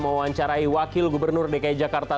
mewawancarai wakil gubernur dki jakarta